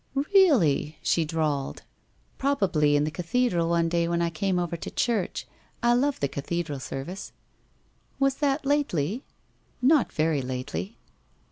' Really?' she drawled, 'probably 336 WHITE ROSE OF WEARY LEAF in the cathedral one day when I came over to church. I love the cathedral service.' 'Was that lately?' ' Not very lately.'